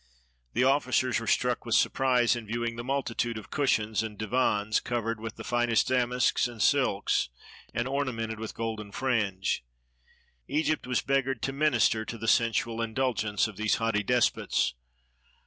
The officers were struck with surprise in viewing the multitude of cushions and divans covered with the finest damasks and silks, and ornamented with golden fringe. Egypt was beggared to minister to the sensual indulgence of these haughty despots.